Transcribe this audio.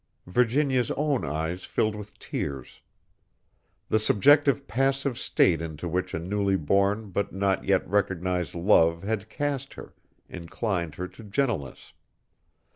Virginia's own eyes filled with tears. The subjective passive state into which a newly born but not yet recognized love had cast her, inclined her to gentleness.